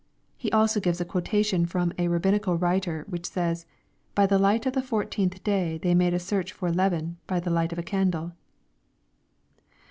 He also gives a quota tion from a Kabbinical writer, which says, " By the light of the • fourteenth day they made a search for leaven by the light of a candle."